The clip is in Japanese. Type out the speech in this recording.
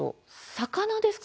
魚ですか？